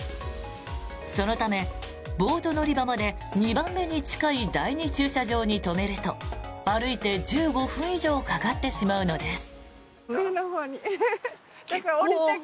そのため、ボート乗り場まで２番目に近い第２駐車場に止めると歩いて１５分以上かかってしまうのです。